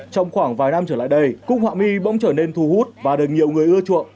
trong khoảng vài năm trở lại đây cúc họa mi bỗng trở nên thu hút và được nhiều người ưa chuộng